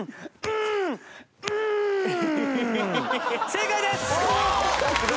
正解です。